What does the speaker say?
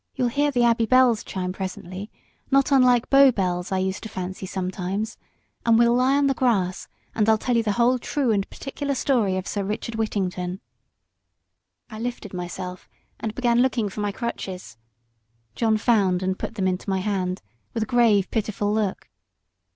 "You'll hear the Abbey bells chime presently not unlike Bow bells, I used to fancy sometimes; and we'll lie on the grass, and I'll tell you the whole true and particular story of Sir Richard Whittington." I lifted myself, and began looking for my crutches. John found and put them into my hand, with a grave, pitiful look.